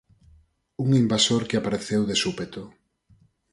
Un invasor que apareceu de súpeto.